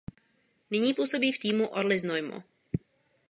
Nyní působí v týmu Orli Znojmo.